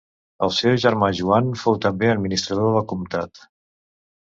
El seu germà Joan fou també administrador del comtat.